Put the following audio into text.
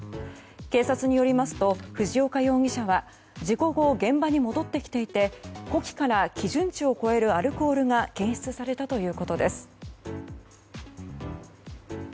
警察によりますと、藤岡容疑者は事故後、現場に戻ってきていて呼気から基準値を超えるアルコールが検出されたということです。